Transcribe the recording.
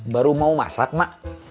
baru mau masak mak